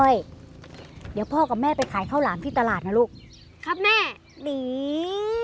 เดี๋ยวพ่อกับแม่ไปขายข้าวหลามที่ตลาดนะลูกครับแม่หนี